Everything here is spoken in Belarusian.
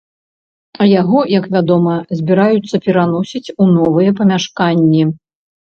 А яго, як вядома, збіраюцца пераносіць у новыя памяшканні.